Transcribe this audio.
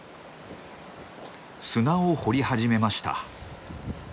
砂を掘り始めました。